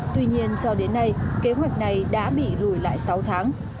tuy nhiên cho đến nay kế hoạch này đã bị lùi lại sáu tháng